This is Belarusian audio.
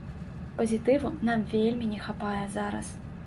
Пазітыву нам вельмі не хапае зараз!